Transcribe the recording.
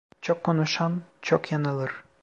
Çok konuşan çok yanılır.